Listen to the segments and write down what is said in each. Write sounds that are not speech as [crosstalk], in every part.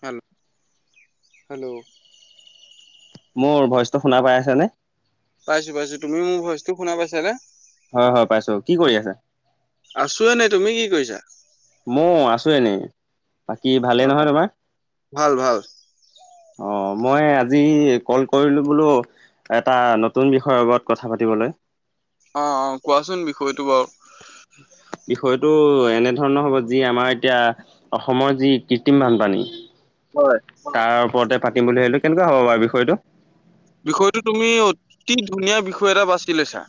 হেল hello. মোৰ ভইচটো শুনা পাই আছে নে? পাইছো পাইছো তুমি মোৰ ভইচটো শুনা পাইছানে? হয় হয় পাইছো কি কৰি আছে। আছো এনেই তুমি কি কৰিছা। ম আছো এনে। বাকী অ ভালেই নহয় তোমাৰ, ভাল ভাল অ। মই আজি কল কৰিলো বোলো, এটা নতুন বিষয়ৰ ওপৰত কথা পাতিবলৈ। অ অ কোৱাচোন বিষয়টো বাৰু। উ। বিষয়টো এনেধৰণৰ হ'ব যি আমাৰ এতিয়া, অসমৰ যি কৃত্ৰিম বানপানী। হয় তাৰ ওপৰতে পাতিম বুলি ভাবিলো কেনেকুৱা হ'ব বাৰু বিষয়টো। বিষয়টো তুমি, অতি ধুনীয়া বিষয় এটা বাচি লৈছা।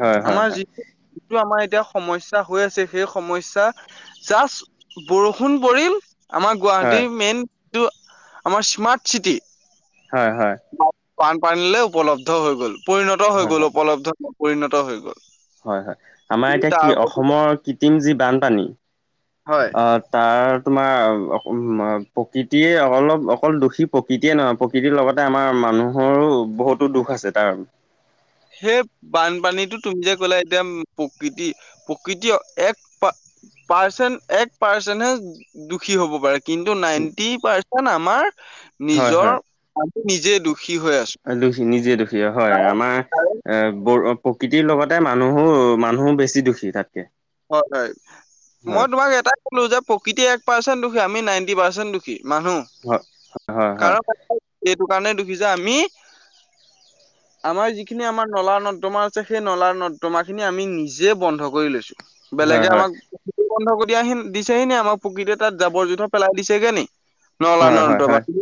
হয় হয় আমাৰ হয়। যিটো, যিটো আমাৰ এতিয়া। [unintelligible] আমাৰ হয় গুৱাহাটীৰ মেইন, যিটো আমাৰ স্মাৰ্ট চিটি। হয় হয়। বানপানী উপলব্ধ হৈ গ'ল পৰিণত হৈ হয় গল হয়। উপলব্ধ ন পৰিণত হৈ গল। [unintelligible] হয় হয় আমাৰ এতিয়া কি তাৰ প্ৰতি অসমৰ কৃত্ৰিম যি বানপানী। হয় অ তাৰ। তোমাৰ প্ৰকৃতিয়ে অলপ অকল দোষী প্ৰকৃতিয়ে নহয় প্ৰকৃতিৰ লগতে আমাৰ মানুহৰো বহুতো দুখ আছে তাৰ। সেই বানপানীতো তুমি যে কলা এতিয়া প্ৰকৃতি প্ৰকৃতি এক পাৰ্চেন্টে এক পাৰ্চেন্টেহে দুখী হ'ব পাৰে। কিন্তু নাইনটি পাৰ্চেন্ট আমাৰ, নিজৰ নিজে দুখ। দুখী নিজে দুখী হয় আমাৰ, এ গ প্ৰকৃতিৰ লগতে মানুহো মানুহো বেছি দুখী তাতকে। হয় হয়, হয়। মই তোমাক এটাই কলো যে প্ৰকৃতি এক পাৰ্চেণ্ট দুখী আমি নাইনটি পাৰ্চেণ্ট দুখী মানুহ, হয়, হয়, হয়, হয়, কাৰণ এটো কাৰণে দুখি যে আমি উ আমাৰ যিখিনি আমাৰ নলা নৰ্দমা আছে সেই নলা নৰ্দমা খিনি আমি নিজে বন্ধ কৰি লৈছো। হয়, বেলেগে আমাক বন্ধ কৰি দিয়াহি দিছেহি নে আমাৰ প্ৰকৃতিতে তাত জাবৰ জোথৰ পেলাই দিছেগে নি। নলা হয়, হয়, হয়। নৰ্দমাত হয়।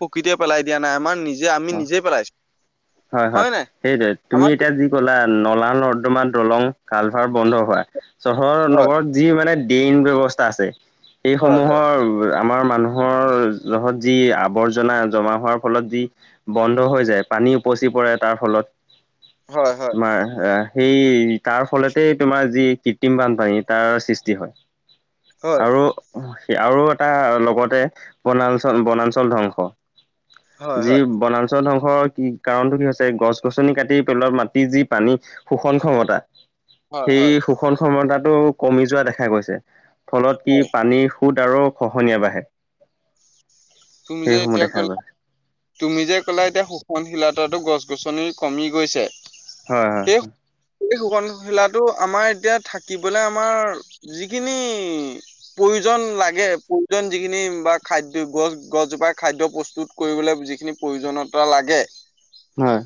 প্ৰকৃতিয়ে পেলাই দিয়া নাই আমাৰ নিজ অ হয় হয়, সেইটোয়ে, তুমি আমাৰ এতিয়া যি কলা নলা নৰ্দমা দলং কালভাৰ বন্ধ হোৱা, চহৰ হয় নগৰত যি মানে ড্ৰেইন ব্যৱস্থা আছে, হয় হয় সেইসমূহৰ আমাৰ মানুহৰ যত যি আৱৰ্জনা জমা হোৱাৰ ফলত যি বন্ধ হৈ যায় পানী উপচি পৰে তাৰ ফলত হয় হয় তোমাৰ অহ সেই তাৰ ফলতেই তোমাৰ যি কৃত্ৰিম বানপানী তাৰ সৃষ্টি হয়। হয় আৰু আৰু এটা লগতে বনাঞ্চল বনাঞ্চল ধ্বংস হয় যি হয় বনাঞ্চল ধং স কি কাৰণটো কি হৈছে গছ গছনি কাটি পেলোৱাত মাটি যি পানী শোষণ ক্ষমতা হয় সেই হয় শোষণ ক্ষমতাটো কমি যোৱা দেখা গৈছে, ফলত কি হয় পানীৰ সুত আৰু খহনীয়া বাঢ়ে, তুমি যে সেইসমূহ এতিয়া দেখা গৈ ক'লা তুমি যে কলা এতিয়া শোষণশীলতাতো গছ গছনি কমি গৈছে। হয় হয়। টোকণ খেলাটো আমাৰ এতিয়া থাকিবলে আমাৰ যিখিনি প্ৰয়োজন লাগে প্ৰয়োজন যিখিনি বা খাদ্য গছ গছজোপাই খাদ্য প্ৰস্তুত কৰিবলৈ বি যিখিনি প্ৰয়োজনীয়তা লাগে হয়।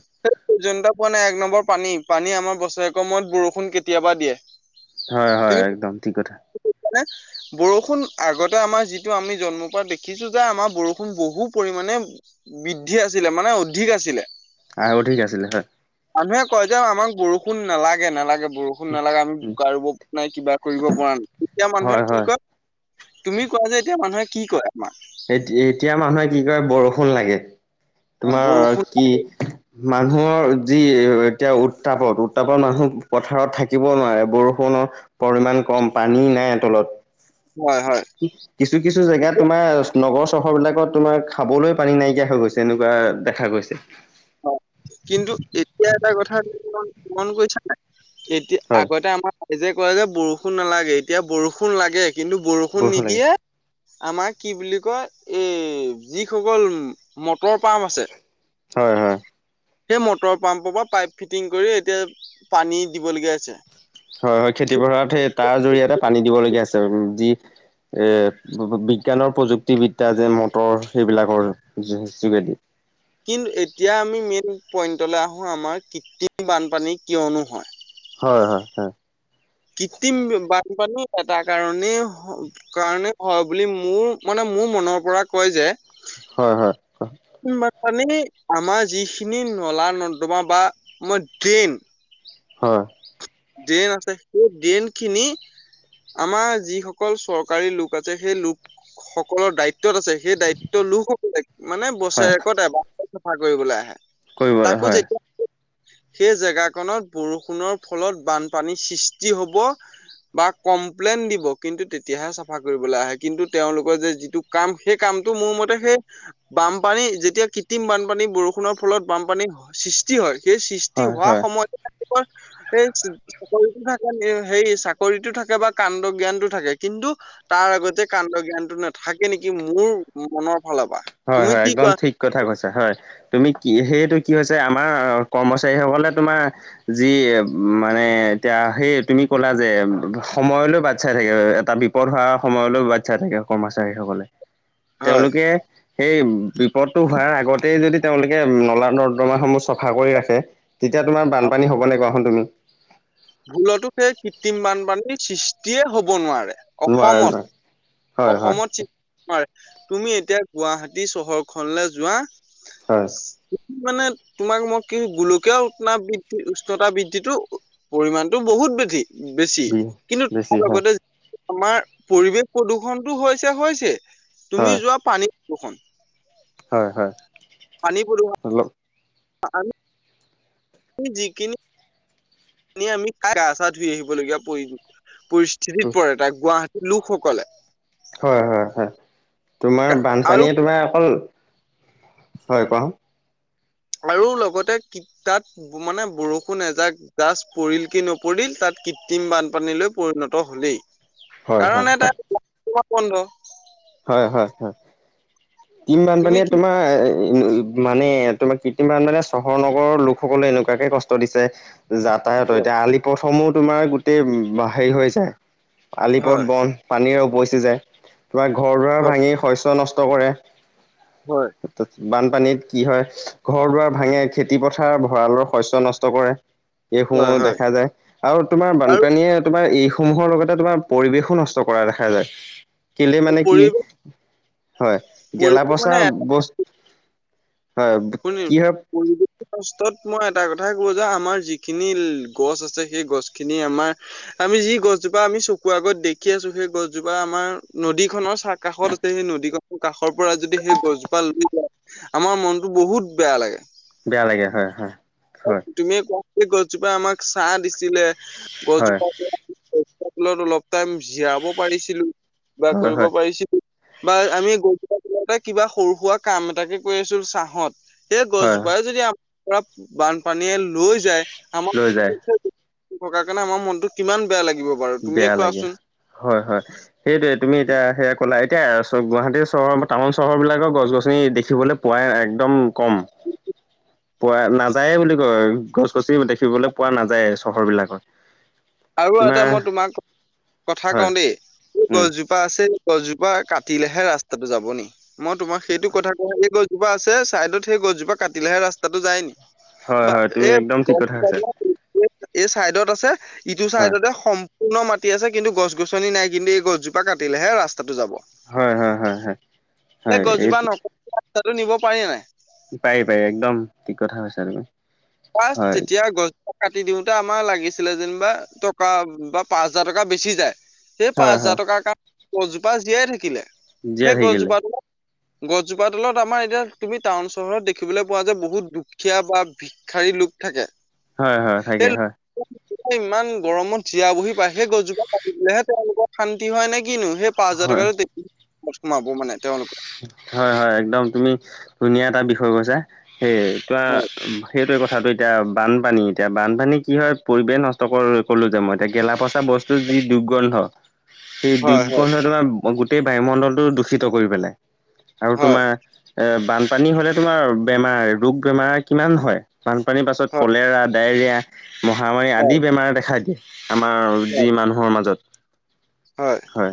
প্ৰয়োজনতা পোৱা নাই এক নম্বৰ পানী পানী আমাৰ বছৰেকৰ মূৰত বৰষুণ কেতিয়াবা দিয়ে। হয় - হয়, একদম। ঠিক কথা। মানে বৰষুণ আগতে আমাৰ যিটো আমি জন্মৰ পৰা দেখিছোঁ যে, আমাৰ বৰষুণ বহু পৰিমাণে বৃদ্ধি আছিলে মানে অধিক আছিলে। আৰু ঠিক আছিলে হয়। মানুহে কয় যে, আমাক বৰষুণ নালাগে - নালাগে বৰষুণ নালাগে আমি [unintelligible] নাই, কিবা কৰিব পৰা নাই, তেতিয়া মানুহে হয় হয়। কি কয় তুমি কোৱা যে, এতিয়া মানুহে কি কয় আপোনাৰ? এ এতিয়া মানুহে কি কৰে বৰষুণ লাগে তোমাৰ বৰষুণ কি মানুহৰ যি এতিয়া উত্তাপত উত্তাপত মানুহ পথাৰত থাকিব নোৱাৰে বৰষুণ তোমাৰ পৰিমাণ কম পানী নাই তলত। হয় হয় কিছু কিছু জেগাত তেতিয়া তোমাৰ নগৰ চহৰ বিলাকত তোমাৰ খাবলৈ পানী নাইকিয়া হৈ গৈছে এনেকোৱা দেখা গৈছে অ কিন্তু এতিয়া এটা কথা মন কৰিছা নাই এতিয়া হয় আগতে আমাৰ ৰাইজে কয় যে বৰষুণ নালাগে এতিয়া বৰষুণ লাগে কিন্তু বৰষুণ নিদিয়ে আমাৰ কি বুলি কয় এই যিসকল মটৰ পাম্প আছে। হয় হয় সেই মটৰ পাম্পৰ পৰা পাইপ ফিটিং কৰি এতিয়া পানী দিবলগীয়া হৈছে। হয় - হয়, খেতি পথাৰত সেই তাৰ জৰিয়তে পানী দিবলগীয়া আছে আৰু যি এ- ব- বিজ্ঞানৰ প্ৰযুক্তিবিদ্যা যে মটৰ সেইবিলাকৰ যো- যোগেদি। কিন এতিয়া আমি মেইন পইণ্টলৈ আহোঁ, আমাৰ কৃত্ৰিম বানপানী কিয়নো হয়? হয় - হয় - হয়। কৃত্ৰিম বানপানী এ তাৰ কাৰণে হ- কাৰণে হয় বুলি মোৰ মানে মোৰ মনৰ পৰা কয় যে হয় - হয়। মানে আমাৰ যিখিনি নলা-নৰ্দমা বা [unintelligible] ড্ৰেইন হয়। ড্ৰেন আছে। সেই ড্ৰেনখিনি আমাৰ যিসকল চৰকাৰী লোক আছে, সেই লোকসকলৰ দায়ি ত্বত আছে। সেই দায়িত্ব লোকসকলে মানে বছেৰেকত এবাৰ চাফা কৰিবলৈ আহে। কৰিবলে, তাকো হয়। যেতিয়া সেই জেগাকণত বৰষুণৰ ফলত বানপানী সৃষ্টি হব বা কমপ্লেইন দিব, কিন্তু তেতিয়াহে চাফা কৰিবলৈ আহে। কিন্তু তেওঁলোকৰ যে যিটো কাম, সেই কাম কিন্তু মোৰ মতে সেই বানপানী যেতিয়া কৃত্ৰিম বানপানী বৰষুণৰ ফলত বানপানী সৃষ্টি হয় সেই সৃষ্টি হোৱা হয় সময়তে, তে [inaudible] ৰ [inaudible] হেৰি চাকৰিটো থাকে বা কাণ্ড জ্ঞানটো থাকে। কিন্তু তাৰ গতে কাণ্ড জ্ঞানটো নাথাকে নেকি, মোৰ মনৰ ফালৰ পৰা হয় - তুমি হয়, কি একদম কোৱা ঠিক কথা কৈছে, হয়। তুমি কি, সেয়েটো কি হৈছে, আমাৰ কৰ্মচাৰীসকলে তোমাৰ যি মানে এতিয়া সেই তুমি ক'লা যে সময়লৈ বাট চাই থাকে, এটা বিপদ হোৱা সময়লৈ বাট চাই থাকে কে কৰ্মচাৰীসকলে। হয় তেওঁলোকে সেই বিপদটো হোৱাৰ আগতেই যদি তেওঁলোকে নলা-নৰ্দমাসমূহ চফা কৰি ৰাখে তেতিয়া তোমাৰ অ বানপানী হ'বনে, কোৱাচোন তুমি? ভুলতো সেই কৃত্ৰিম বানপানীৰ সৃষ্টিয়ে হব নোৱাৰে। নোৱাৰে অসমত- নোৱাৰে হয় হয় অসমত চি [inaudible] তুমি এতিয়া গুৱাহাটী চহৰখনলে যোৱা হয় মানে তোমাক মই কি গোলকীয় উত্তাপ বৃদ্ধি, উষ্ণতা বৃদ্ধিটো পৰিমাণটো বহুত বৃদ্ধি- বেছি। বি কিন্তু বেছি তাৰ হয় লগতে আমাৰ পৰিৱেশ প্ৰদূষণটো হৈছে, হৈছে। তুমি হয় যোৱা পানী প্ৰদূষণ হয় - হয়। পানী প্ৰদূষ অলপ অহ, আৰু জি কিনে আমি - আমি গা- চা ধুই আহিবলগীয়া পৰি- পৰিস্থিতিত পৰে তাই গুৱাহাটী লোকসকলে হয় -হয় -হয় তোমাৰ আৰু বানপানীয়ে তোমাৰ অকল হয় কোৱা আৰু লগতে কি তাত মানে বৰষুণ এজাক জাষ্ট পৰিল কি নপৰিল, তাত কৃত্ৰিম বানপানীলৈ পৰিণত হলেই। হয় হয় কাৰণে এটা হয় [inaudible] বন্ধ। হয় - হয় - হয়। ত্ৰিম তুমি বানপানীয়ে কি তোমাৰ মানে তোমাৰ কৃত্ৰিমবান মানে চহৰ-নগৰৰ লোকসকলে এনেকুৱাকে কষ্ট দিছে যাতায়াতৰ। হয় এতিয়া আলি পথসমূহ তোমাৰ গোটেই উম হেৰি হৈ যায়। আলিপথ হয় বন পানীৰে উপচি যায়। তোমাৰ ঘৰ দুৱাৰ হয় ভাঙি শস্য নষ্ ত কৰে। হয়। বানপানীত কি হয় ঘৰ -দুৱাৰ ভাঙে খেতি পথাৰ ভঁৰালৰ শস্য নষ্ট কৰে। এইসমূহ হয় হয় দেখা যায় আৰু তোমাৰ আৰু বানপানীয়ে তোমাৰ ই সমূহৰ লগতে তোমাৰ পৰিৱেশো নষ্ট কৰা দেখা যায়। কেলে মানে কি পৰিৱেশ হয়, পৰিৱেশ গেলাপচা মানে বস হয়, কি হয় ফাৰ্ষ্টত মই এটা কথাই কওঁ যে আমাৰ যিখিনি গছ আছে সেই গছখিনি আমাৰ আমি যি গছজোপা আমি চকুৰ আগত দেখি আছো সেই গছজোপা আমাৰ নদী খনৰ চাহ কাষত আছে। সেই নদী [unintelligible] কাষৰ পৰা যদি সেই গছজোপা লৈ যায় আমাৰ মনতো বহুত বেয়া লাগে। বেয়া লাগে হয়- হয় -হয়। এই গছজোপা আমাক চাহ দিছিলে। হয় গছজোপা [unintelligible] ত' অলপ টাইম জিৰাব পাৰিছিলো বা হয় হয় কৰিব হয় পাৰিছিলো বা আমি গৈ তাতে কিবা সৰু -সুৰা কাম এটাকে কৰি আছো ছাহত সেই হয় গছজোপাই যদি আমাৰ পৰা বানপানীয়ে লৈ যায়। আমাৰ লৈ যায় [unintelligible] থকাৰ কাৰণে আমাৰ মনত কিমান বেয়া লাগে বেয়া লাগে হয় -হয়। সেইটোয়ে তুমি এতিয়া সেয়া কলাই এতিয়া গুৱাহাটী চহৰ বা টাউন চহৰবিলাকৰ গছ- গছনি দেখিবলৈ পোৱাই একদম কম পোৱা নাযায়েই বুলি কয় গছ -গছনি দেখিবলৈ পোৱা নাযায় চহৰ বিলাকত। আৰু এটা তোমাৰ মই তোমাক কথা কওঁ হয় দেই উম গছজোপা আছে গছজোপা কাটিলেহে ৰাস্তাটো যাব নি মই তোমাক সেইটো কথা কোৱা এই গছ জোপা আছে ছাইডত সেই গছজোপা কাটিলেহে ৰাস্তাটো যায় নি? হয় বা হয় তুমি এ একদম ঠিক কথা কৈছা [unintelligible] এই চাইডত আছে ইটো হয় চাইডতে সম পূৰ্ণ মাটি আছে কিন্তু গছ -গছনি নাই কিন্তু এই গজোপা কাটিলেহে ৰাস্তা ৰাস্তা টো যাব। হয় হয় হয় হয় সেই হয় গছজোপা নকটাকে ৰাস্তাটো নিব পাৰে নাই? পাই - পাই একদম ঠিক কথা কৈছা তুমি। পাই হয় তেতিয়া গছ কাটি দিওঁতে আমাৰ লাগিছিলে যেনিবা টকা বা পাঁচ হাজাৰ টকা বেছি যায়। সেই পাঁচ হয় হয় হাজাৰ টকাৰ কাৰণে গছজোপা জীয়াই থাকিলে। সেই জীয়াই থাকিলে গছজোপাটো গছজোপা তলত আমাৰ এতিয়া তুমি টাউন চহৰত দেখিবলৈ পোৱা যে বহুত দুখীয়া বা ভিক্ষাৰী লোক থাকে হয়- হয় সেই থাকে হয়। ইমান গৰমত জিয়াবহি পায় সেই গছজোপা কাটি দিলেহে তেওঁলোকৰ শান্তি হয় নেকি? কিনো সেই পাঁচ হাজাৰ হয় টকা [unintelligible] ক'ত সোমাব মানে তেওঁলোকে হয় -হয় একদম তুমি ধুনীয়া এটা বিষয় কৈছা সেই তোমাৰ হয় সেইটোৱে কথাটো এতিয়া বানপানী এতিয়া বানপানী কি হয় পৰিৱেশ নষ্ট কৰো -ক'লো যে মই এতিয়া গেলা -পচা বস্তু যি দুৰ্গন্ধ সেই হয় দুৰ্গন্ধ তোমাৰ গোটেই বায়ুমণ্ডলটো দূষিত কৰি পেলাই। আৰু হয় তোমাৰ এ বানপানী হলে তোমাৰ বেমাৰ ৰোগ বেমাৰ কিমান হয় বানপানীৰ পাছত হয় কলেৰা, ডায়েৰিয়া, মহামাৰী হয় আদি বেমাৰ দেখা দিয়ে। আমাৰ যি হয় মানুহৰ মাজত হয়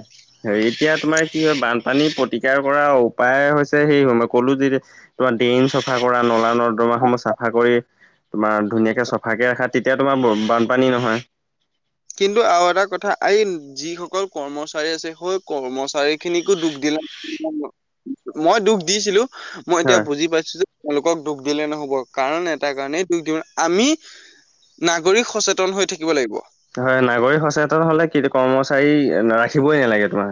হেৰি এতিয়া তোমাৰ কি হয় বানপানীৰ প্ৰতি ইয়াৰ পৰা উপায় হৈছে সেই সময় ক'লো যে তোমাৰ ড্ৰেইন চফা কৰা নলা নৰদমা সমূহ চাফা কৰি- তোমাৰ ধুনীয়াকে চফাকে ৰাখা তেতিয়া তোমাৰ বানপানী নহয়। কিন্তু আৰু এটা কথা এই যিসকল কৰ্মচাৰী আছে সেই কৰ্মচাৰী খিনিকো দুখ দিলে [unintelligible] মই দুখ দিছিলো মই এতিয়া হয়। বুজি পাইছোঁ যে- তেওঁলোকক দুখ দিলে নহ'ব কাৰণ এটা কাৰণেই দুখ দিব আমি নাগৰিক সচেতন হৈ থাকিব লাগিব। হয়, নাগৰিক সচেতন হলে কিন্তু কৰ্মচাৰী ৰাখিবই নালাগে তোমাৰ।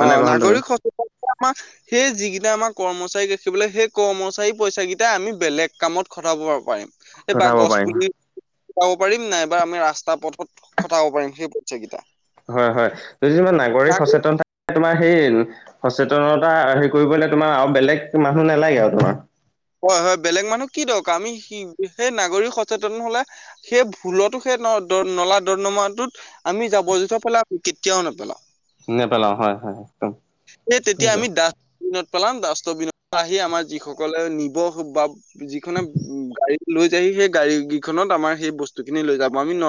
হয় নাই অহ, কোৱাচোন তুমি নাগৰিক সচেতনতাই আমাক সেই যিকেইটা আমাক কৰ্মচাৰীক ৰাখিবলৈ সেই কৰ্মচাৰী পইচা কেইটাই আমি বেলেগ কামত খটাব পাৰিম এই বা ঘটাব গছ পাৰিম পুলি খটাব পাৰিম নাইবা আমি ৰাস্তা পথত খটাব পাৰিম সেই পইচা কেইটা হয় হয় যদি মানে নাগৰিক সচেতন থাকে তোমাৰ সেই সচেতনতা হেৰি কৰিবলে তোমাৰ আৰু বেলেগ মানুহ নালাগে আৰু তোমাৰ। হয় হয় বেলেগ মানুহ কি দৰকাৰ আমি সেই নাগৰিক সচেতন হলে সেই ভুলতো সেই নলা নলা নদৰদমাটোত আমি যাবৰ জোথৰ পেলাম কেতিয়াও নেপেলাওঁ। নেপেলাওঁ হয় হয় একদম এ তেতিয়া আমি ডাষ্ট বিনত পেলাম ডাষ্টবিনত আহি আমাৰ যিসকলে নিব বা যিখনে গাড়ীত লৈ যাইহি সেই গাড়ী কেইখনত আমাৰ সেই বস্তু খিনি লৈ যাব আমি ন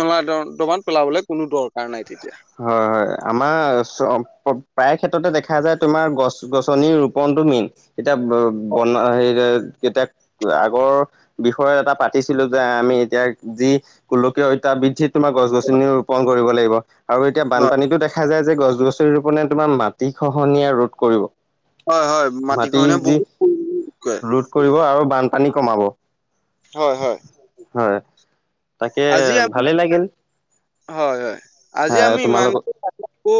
নলা নৰদমাত পেলাবলৈ কোনো দৰকাৰ নাই তেতিয়া। হয় হয় আমাৰ চৰ প্ৰায় ক্ষেত্ৰতে দেখা যায় তোমাৰ গছ গছনিৰ ৰোপনটো মেইন এতিয়া বনা হেৰি এতিয়া আগৰ বিষয় এটা পাতিছিলো যে আমি এতিয়া যি গোলকীয় তাপ বৃদ্ধিত তোমাৰ গছ গছনি ৰোপন কৰিব লাগিব আৰু এতিয়া হয় বানপানীতো দেখা যায় যে যে গছ গছনি ৰোপনেে তোমাৰ মাটি খহনীয়া ৰোধ কৰিব। হয় হয় মাটি খহনীয়া যি বহুত কৰে। ৰোধ কৰিব আৰু বানপানী কমাব। হয় হয় হয় তাকে আজি আমি ভালেই লাগিল হয় হয় আজি আমি তোমালোকক ইমানখিনি আকৌ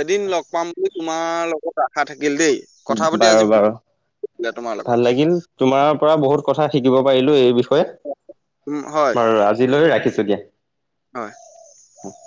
এদিন লগ পাম বুলি তোমাৰ লগত আশা থাকিল। দেই কথা পাতি আজি বাৰু বহুত বাৰু ভাল লাগিলে তোমাৰ লগত ভাল লাগিল তোমাৰ পৰা বহুত কথা শিকিব পাৰিলোঁ এই বিষয়ে। উম হয় বাৰু আজিলৈ ৰাখিছোঁ দিয়া। হয়